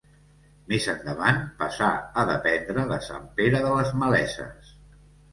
Més endavant passà a dependre de Sant Pere de les Maleses.